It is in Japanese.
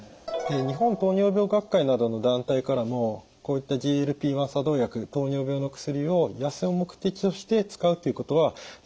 日本糖尿病学会などの団体からもこういったＧＬＰ−１作動薬糖尿病の薬を痩せる目的として使うということは推奨されていません。